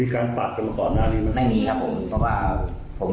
เขาจะตบอีกนะ